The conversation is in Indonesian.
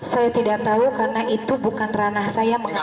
saya tidak tahu karena itu bukan ranah saya mengatakan